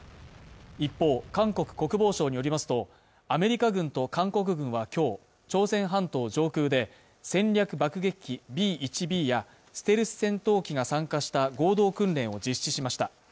一方、韓国国防省によりますとアメリカ軍と韓国軍は今日、朝鮮半島上空で戦略爆撃機Ｂ１Ｂやステルス戦闘機が参加した合同訓練を実施しました。